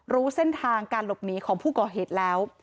รู้เส้นทางการหลบหนีของผู้ก่อเหตุแล้ว